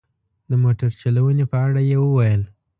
د موټر چلونې په اړه یې وویل.